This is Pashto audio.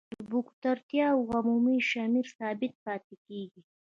د بکټریاوو عمومي شمېر ثابت پاتې کیږي.